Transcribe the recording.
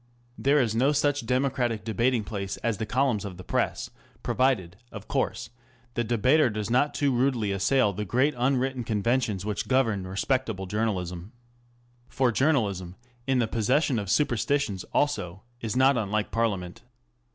There is no such democratic debating place as the columns of the Press .* provided, of course, the debater does not too rudely assail the great unwritten conven tions which govern respectable journalism. For journalism in the possession of superstitions also is not unlike Parliament.